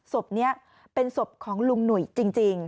ศพนี้เป็นศพของลุงหนุ่ยจริง